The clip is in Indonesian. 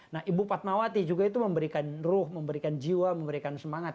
nah ibu patmawati juga itu memberikan ruh memberikan jiwa memberikan semangat